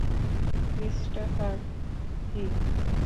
Christopher - জ্বী।